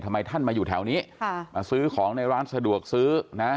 ทำไมท่านมาอยู่แถวนี้ค่ะมาซื้อของในร้านสะดวกซื้อนะ